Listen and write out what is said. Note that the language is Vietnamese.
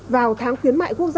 vào tháng khuyến mại quốc gia